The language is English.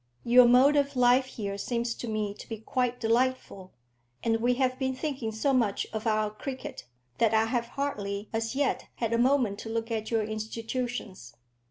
Your mode of life here seems to me to be quite delightful, and we have been thinking so much of our cricket, that I have hardly as yet had a moment to look at your institutions.